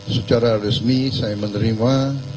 secara resmi saya menerima